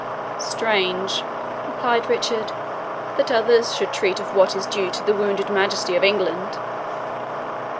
"Strange," replied Richard, "that others should treat of what is due to the wounded majesty of England!"